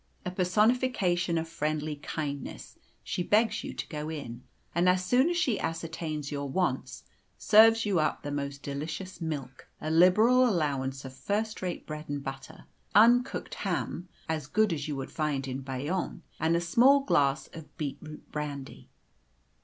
A personification of friendly kindness, she begs you to go in, and as soon as she ascertains your wants, serves you up the most delicious milk, a liberal allowance of first rate bread and butter, uncooked ham as good as you would find in Bayonne and a small glass of beetroot brandy.